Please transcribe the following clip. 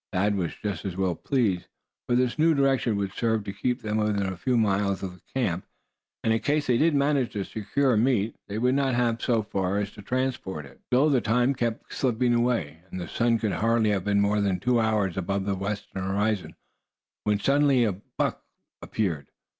Thad was just as well pleased, for this new direction would serve to keep them within a few miles of camp; and in case they did manage to secure meat, they would not have so far to transport it. Still the time kept slipping away, and the sun could hardly have been more than two hours above the western horizon when suddenly a buck was started.